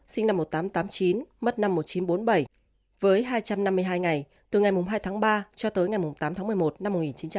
sinh năm một nghìn tám trăm tám mươi chín mất năm một nghìn chín trăm bốn mươi bảy với hai trăm năm mươi hai ngày từ ngày hai tháng ba cho tới ngày tám tháng một mươi một năm một nghìn chín trăm bảy mươi